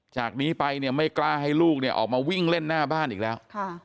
จากนี้ไปเนี่ยไม่กล้าให้ลูกเนี่ยออกมาวิ่งเล่นหน้าบ้านอีกแล้ว